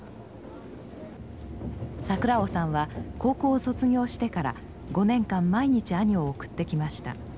桜麻さんは高校を卒業してから５年間毎日兄を送ってきました。